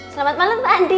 selamat malam mbak andin